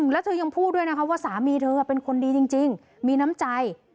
แล้วเธอยังพูดด้วยนะคะว่าสามีเธอเป็นคนดีจริงมีน้ำใจ